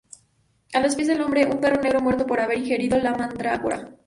A los pies del hombre, un perro negro muerto por haber ingerido la mandrágora.